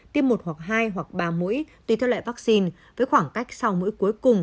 tiêm một hoặc hai hoặc ba mũi tùy theo loại vaccine với khoảng cách sau mũi cuối cùng